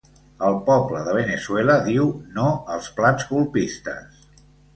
El poble de Veneçuela diu no als plans colpistes.